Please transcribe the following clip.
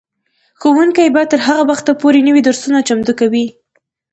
ښوونکي به تر هغه وخته پورې نوي درسونه چمتو کوي.